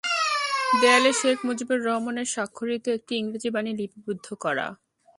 দেয়ালে শেখ মুজিবুর রহমানের স্বাক্ষরিত একটি ইংরেজি বাণী লিপিবদ্ধ করা।